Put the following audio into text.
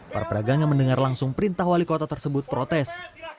para pedagang yang mendengar langsung perintah wali kota tersebut protes